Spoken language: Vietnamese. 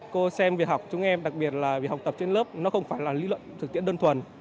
cô xem việc học chúng em đặc biệt là việc học tập trên lớp nó không phải là lý luận thực tiễn đơn thuần